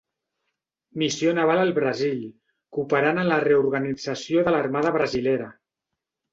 Missió Naval al Brasil, cooperant en la reorganització de l'Armada brasilera.